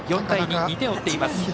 ４対２、２点を追っています。